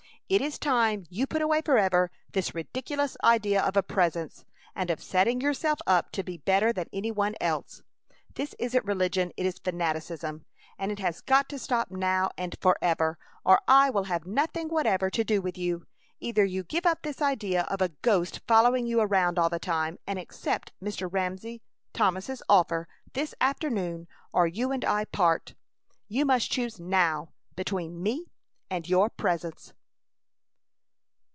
"It is time you put away forever this ridiculous idea of a Presence, and of setting yourself up to be better than any one else! This isn't religion, it is fanaticism! And it has got to stop now and forever, or I will have nothing whatever to do with you. Either you give up this idea of a ghost following you around all the time and accept Mr. Ramsey Thomas's offer this afternoon, or you and I part! You can choose, now, between me and your Presence!"